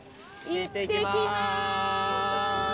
いってきます。